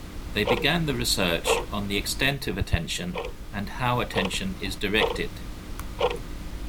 They began the research on the extent of attention and how attention is directed.